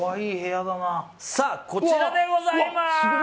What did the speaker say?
こちらでございます！